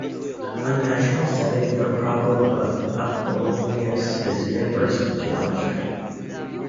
A natural setting for problem of Apollonius is inversive geometry.